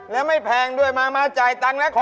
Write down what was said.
แล้วไม่แพงด้วยมาจ่ายตังค์แล้วขอ